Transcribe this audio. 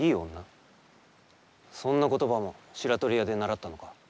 そんな言葉も白鳥屋で習ったのか？